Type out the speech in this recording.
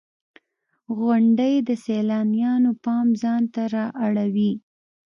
• غونډۍ د سیلانیانو پام ځان ته را اړوي.